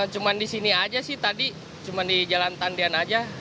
cuma disini aja sih tadi cuma di jalan tindian aja